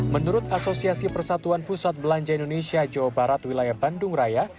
menurut asosiasi persatuan pusat belanja indonesia jawa barat wilayah bandung raya